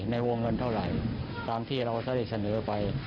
ในวงเงินเท่าไหร่ตามที่เราได้เสนอไป